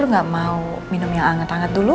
lu gak mau minum yang anget anget dulu